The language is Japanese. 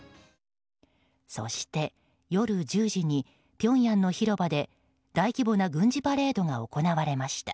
そして夜１０時に平壌の広場で大規模な軍事パレードが行われました。